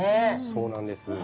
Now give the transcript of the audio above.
そうなんです。